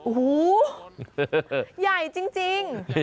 โอ้โหใหญ่จริง